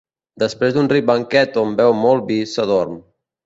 Després d'un ric banquet on beu molt vi, s'adorm.